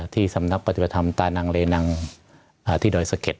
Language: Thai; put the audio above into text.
ที่สำนักปฏิบัติธรรมตานังเลนังที่ดอยสะเก็ด